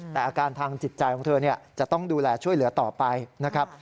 แต่อาการทางจิตใจของเธอจะต้องดูแลช่วยเหลือต่อไปนะครับ